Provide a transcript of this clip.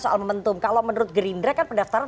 soal momentum kalau menurut gerindra kan pendaftaran